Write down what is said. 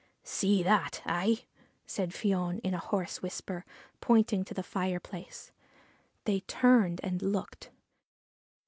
' See that I ' said Fion in a hoarse whisper, pointing to the fireplace. They turned and looked.